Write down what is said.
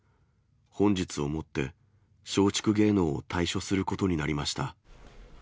本日をもって、松竹芸能を退所することになりました。